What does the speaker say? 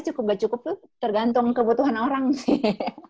cukup gak cukup tuh tergantung kebutuhan orang sih